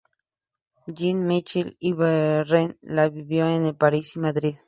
Jean-Michel Iribarren ha vivido en París y Madrid.